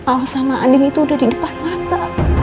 tanpa alas sama anding itu udah di depan mata